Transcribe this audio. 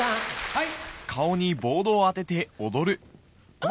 はい。